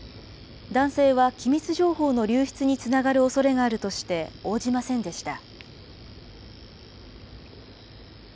男性は機密情報の流出につながるおそれがあるとして応じませんでした。